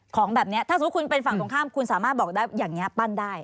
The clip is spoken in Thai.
ของแบบนี้ถ้าสมมุติคุณเป็นฝั่งตรงข้ามคุณสามารถบอกได้อย่างนี้ปั้นได้